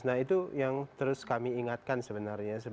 nah itu yang terus kami ingatkan sebenarnya